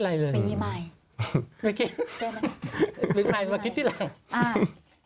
เรื่องงานมาคิดทิ้งข้าง